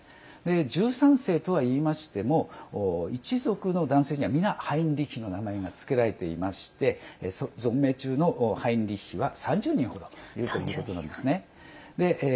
１３世とはいいましても一族の男性には皆ハインリヒの名前がつけられていまして存命中のハインリヒは３０人程いるということなんですね。